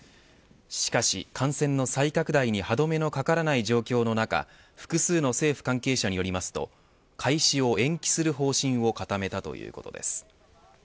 しかし感染の再拡大に歯止めのかからない状況の中複数の政府関係者によりますと開始を延期する方針を固めたということです。